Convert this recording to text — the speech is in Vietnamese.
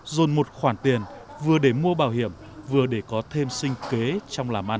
dồn một khoản tiền vừa để mua bảo hiểm vừa để có thêm sinh kế trong làm ăn